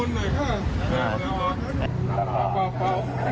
อันนี้ฟังภูมิ